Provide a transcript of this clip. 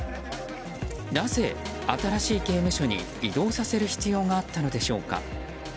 なぜ、新しい刑務所に移動させる必要があったのでしょうか。